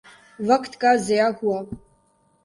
وقت کا ضیاع ہوا۔